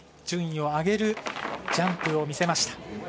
順位を上げるジャンプを見せました。